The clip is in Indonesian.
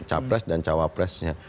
capres dan cawapresnya